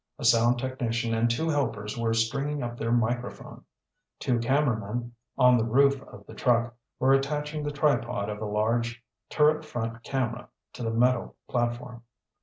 A sound technician and two helpers were stringing up their microphone. Two cameramen, on the roof of the truck, were attaching the tripod of a large turret front camera to the metal platform.